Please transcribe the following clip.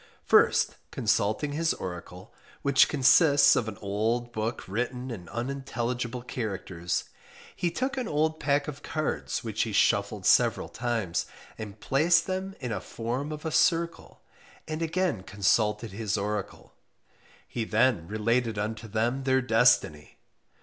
First consulting his oracle, which consists of an old book written in unintelligible characters, he took an old pack of cards which he shuffled several times, and placed them in a form of a circle, and again consulted his oracle, he then related unto them their destiny.